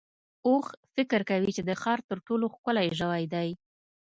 اوښ فکر کوي چې د ښار تر ټولو ښکلی ژوی دی.